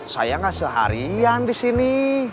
saya gak seharian disini